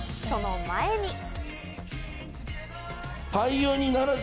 その前に。